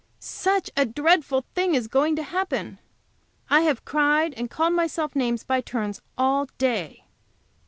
Such a dreadful thing is going to happen! I have cried and called myself names by turns all day.